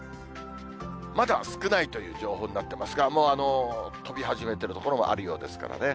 まだ少ないという情報になってますが、もう飛び始めている所もあるようですのでね。